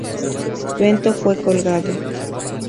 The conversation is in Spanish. Bento fue colgado.